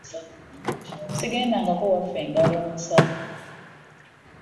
Ssigendangako waffe ngalo nsa.